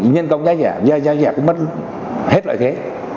nhân công giá rẻ giá rẻ cũng mất hết loại thế